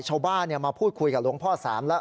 ชาวบ้านมาพูดคุยกับหลวงพ่อสามแล้ว